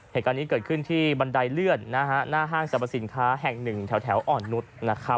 เหตุการณ์นี้เกิดขึ้นที่บันไดเลื่อนหน้าห้างสรรพสินค้าแห่งหนึ่งแถวอ่อนนุษย์